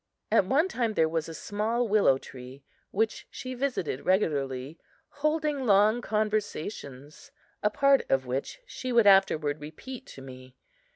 At one time there was a small willow tree which she visited regularly, holding long conversations, a part of which she would afterward repeat to me.